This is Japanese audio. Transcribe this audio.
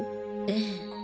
ええ。